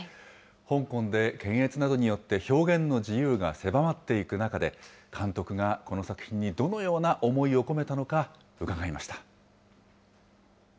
香港で検閲などによって表現の自由が狭まっていく中で、監督がこの作品にどのような思いを込めたのか、伺いました。